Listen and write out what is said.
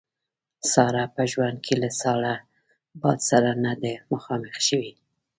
ساره په ژوند کې له ساړه باد سره نه ده مخامخ شوې.